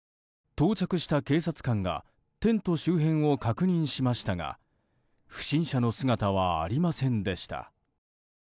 到着した警察官がテント周辺を確認しましたが不審者の姿はありませんでした。